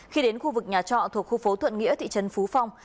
khi đến khu vực nhà trọ thuộc khu phố thuận nghĩa thị trấn phú phong